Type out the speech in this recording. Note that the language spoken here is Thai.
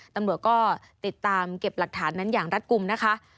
ตำรวจก็ติดตามเก็บหลักฐานนั้นอย่างรัฐกลุ่มนะคะ